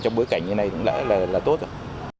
thế là tốt rồi